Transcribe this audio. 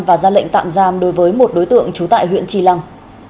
và ra lệnh tạm giam đối với một đối tượng trú tại huyện tri lăng